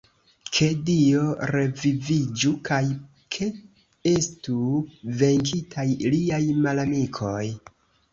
Ke Dio reviviĝu kaj ke estu venkitaj liaj malamikoj!